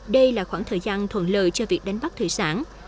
đây là khoảng thời gian thuận lợi cho việc đánh bắt thủy sản